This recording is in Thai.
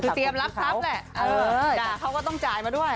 คือเตรียมรับทรัพย์แหละด่าเขาก็ต้องจ่ายมาด้วย